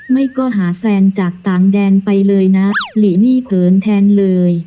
ไม่ก็หาแฟนจากต่างแดนไปเลยนะหลีนี่เขินแทนเลย